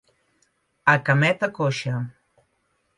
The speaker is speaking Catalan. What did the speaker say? A cameta coixa.